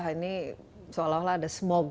ini seolah olah ada smol